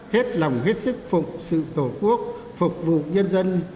hết lòng hết sức phục sự tổ quốc phục vụ nhân dân